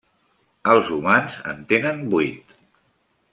Els humans en tenen vuit.